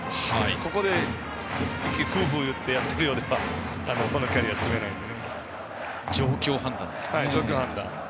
ここでふんふん言ってるようではこのキャリアは積めないので。